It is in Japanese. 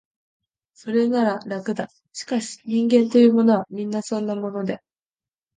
それなら、楽だ、しかし、人間というものは、皆そんなもので、